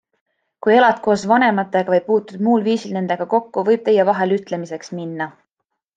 Kui elad koos vanematega või puutud muul viisil nendega kokku, võib teie vahel ütlemiseks minna.